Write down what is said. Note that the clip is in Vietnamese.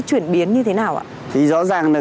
chuyển biến như thế nào ạ thì rõ ràng là